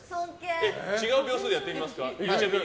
違う秒数でやってみますか。